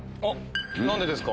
何でですか？